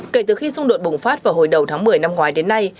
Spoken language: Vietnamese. kể từ khi xung đột bùng phát vào hồi đầu tháng một mươi năm ngoái đến nay